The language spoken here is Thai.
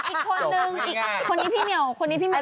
อีกคนนึงอีกคนนี้พี่เหนียวรู้จักไหม